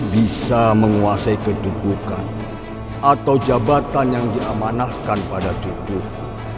tidak bisa menguasai ketudukan atau jabatan yang diamanahkan pada cucuku